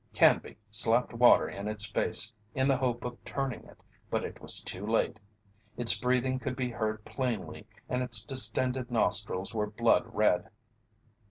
Canby slapped water in its face in the hope of turning it, but it was too late. Its breathing could be heard plainly and its distended nostrils were blood red.